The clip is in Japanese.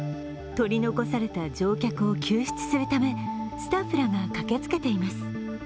取り残された乗客を救出するためスタッフらが駆けつけています。